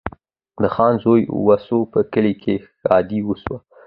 د خان زوی وسو په کلي کي ښادي سوه